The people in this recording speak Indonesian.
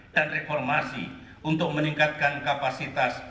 dan reformasi untuk meningkatkan kapasitas